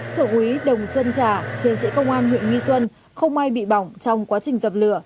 thượng úy đồng xuân trà chiến sĩ công an huyện nghi xuân không may bị bỏng trong quá trình dập lửa